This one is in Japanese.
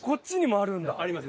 あります。